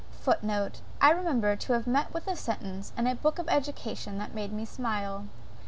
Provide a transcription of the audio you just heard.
* (*Footnote. I remember to have met with a sentence, in a book of education that made me smile.